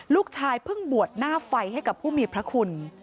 ลูกชายเพิ่งบวชหน้าไฟให้กับผู้มีพระคุณ